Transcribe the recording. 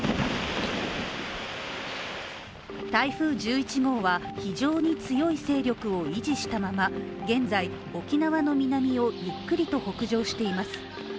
台風１１号は、非常に強い勢力を維持したまま現在、沖縄の南をゆっくりと北上しています。